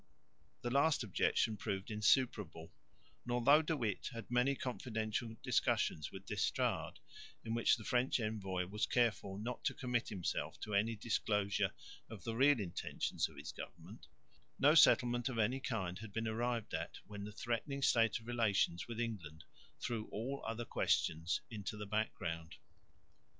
The last objection proved insuperable; and, although De Witt had many confidential discussions with D'Estrades, in which the French envoy was careful not to commit himself to any disclosure of the real intentions of his government, no settlement of any kind had been arrived at, when the threatening state of relations with England threw all other questions into the background.